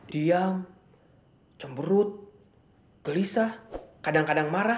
diam cemberut gelisah kadang kadang marah